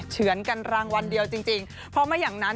เชื่อเทียบสิบเอ็ดรางวัล